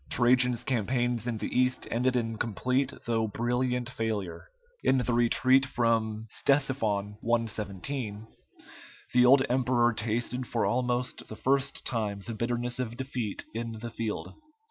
Trajan's campaigns in the East ended in complete though brilliant failure. In the retreat from Ctesiphon (117), the old emperor tasted for almost the first time the bitterness of defeat in the field.